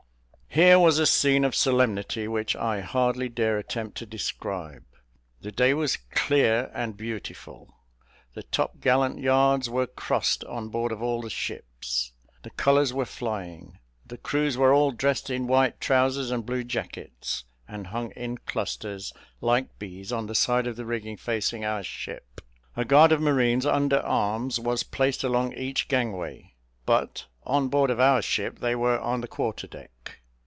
Here was a scene of solemnity which I hardly dare attempt to describe. The day was clear and beautiful; the top gallant yards were crossed on board of all the ships; the colours were flying; the crews were all dressed in white trousers and blue jackets, and hung in clusters, like bees, on the side of the rigging facing our ship: a guard of marines, under arms, was placed along each gangway, but on board of our ship they were on the quarter deck.